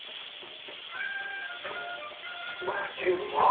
マジうまっ！